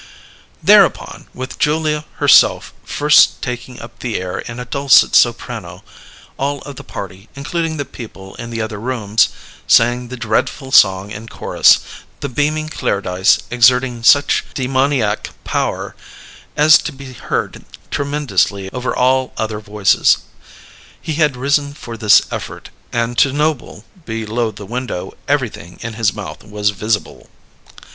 Thereupon, with Julia herself first taking up the air in a dulcet soprano, all of the party, including the people in the other rooms, sang the dreadful song in chorus, the beaming Clairdyce exerting such demoniac power as to be heard tremendously over all other voices. He had risen for this effort, and to Noble, below the window, everything in his mouth was visible.